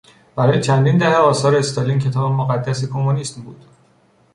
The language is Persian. برای چندین دهه آثار استالین کتاب مقدس کمونیسم بود.